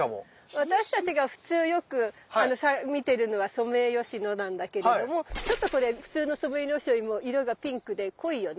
私たちが普通よく見てるのはソメイヨシノなんだけれどもちょっとこれ普通のソメイヨシノよりも色がピンクで濃いよね。